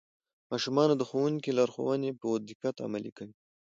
ماشومان د ښوونکي لارښوونې په دقت عملي کوي